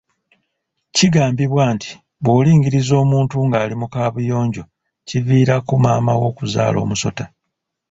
Kigambibwa nti bw’olingiriza omuntu ng’ali mu kaabuyonjo kiviirako maama wo okuzaala omusota.